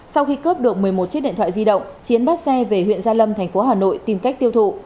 sau khi cướp được một mươi một chiếc điện thoại di động chiến bắt xe về huyện gia lâm thành phố hà nội tìm cách tiêu thụ